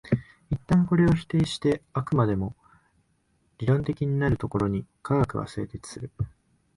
一旦これを否定して飽くまでも理論的になるところに科学は成立する。